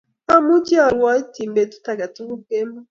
Amuchi aruotyin petut age tugul kemoi